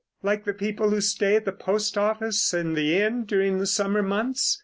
"Like the people who stay at the post office and the inn during the summer months?